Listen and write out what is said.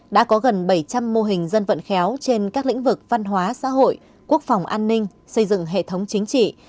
đã có gần bảy trăm linh mô hình dân vận khéo trên các lĩnh vực văn hóa xã hội quốc phòng an ninh xây dựng hệ thống chính trị